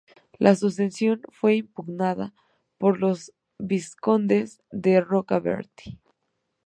La sucesión fue impugnada por los vizcondes de Rocabertí.